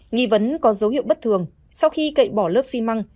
nghĩ vẫn có dấu hiệu bất thường sau khi cậy bỏ lớp xi măng